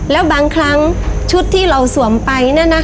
แล้วบางครั้งชุดที่เราสวมไป